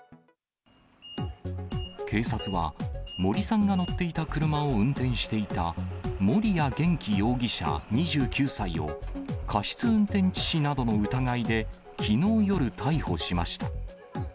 警察は、森さんが乗っていた車を運転していた森谷元気容疑者２９歳を、過失運転致死などの疑いで、きのう夜、逮捕しました。